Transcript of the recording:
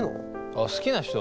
あっ好きな人？